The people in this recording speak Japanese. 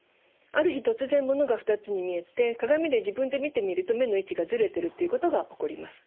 ある日突然物が２つに見えて鏡で自分で見てみると目の位置がずれてるっていうことが起こります。